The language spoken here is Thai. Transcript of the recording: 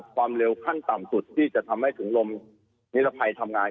ความเร็วขั้นต่ำสุดที่จะทำให้ถึงลมนิรภัยทำงาน